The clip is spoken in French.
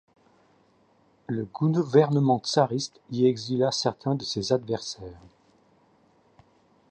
Le gouvernement tsariste y exila certains de ses adversaires.